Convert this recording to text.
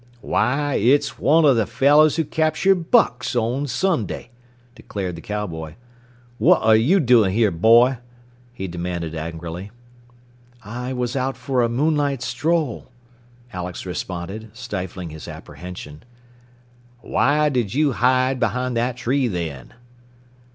"Why, it's one of the fellows who captured Bucks on Sunday!" declared the cowboy. "What are you doing here, boy?" he demanded angrily. "I was out for a moonlight stroll," Alex responded, stifling his apprehension. "Why did you hide behind that tree, then?"